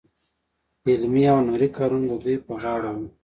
علمي او هنري کارونه د دوی په غاړه وو.